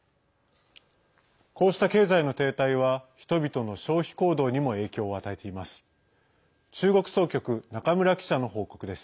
こうした経済の停滞は人々の消費行動にも影響を与えています。